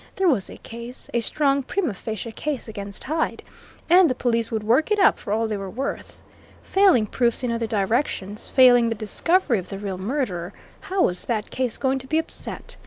There was a case, a strong prima facie case against Hyde, and the police would work it up for all they were worth. Failing proofs in other directions, failing the discovery of the real murderer, how was that case going to be upset?